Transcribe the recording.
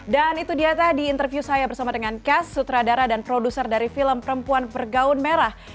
dan itu dia tadi interview saya bersama dengan cass sutradara dan produser dari film perempuan bergawun merah